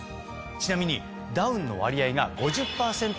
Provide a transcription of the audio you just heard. ちなみにダウンの割合が。